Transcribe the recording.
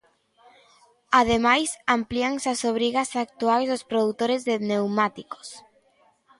Ademais, amplíanse as obrigas actuais dos produtores de pneumáticos.